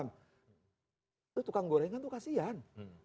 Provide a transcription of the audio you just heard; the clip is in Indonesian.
nah itu tukang gorengan itu kasihan